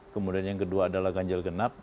kemudian yang kedua adalah ganjil genap